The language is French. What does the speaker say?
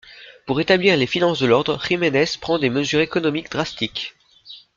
Pour rétablir les finances de l'Ordre, Ximenes prend des mesures économiques drastiques.